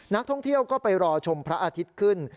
นักท่องเที่ยวก็ไปรอชมพระอาทิตย์ขึ้น